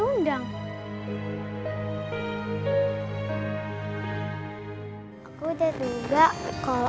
udah ngerti enggak om